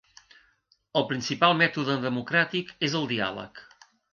El principal mètode democràtic és el diàleg.